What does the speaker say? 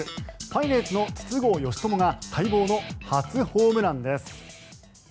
パイレーツの筒香嘉智が待望の初ホームランです。